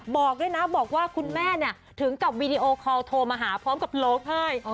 บอกด้วยนะบอกว่าคุณแม่ถึงกับวีดีโอคอลโทรมาหาพร้อมกับโลกให้